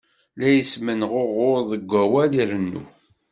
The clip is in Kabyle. La ismenɣuɣud deg awal, irennu.